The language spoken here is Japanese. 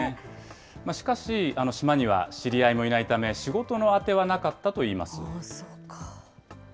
しかし、島には知り合いもいないため、仕事の当てはなかったといいます。